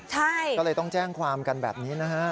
ก็เลยต้องแจ้งความกันแบบนี้นะครับ